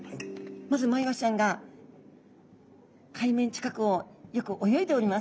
まずマイワシちゃんが海面近くをよく泳いでおります。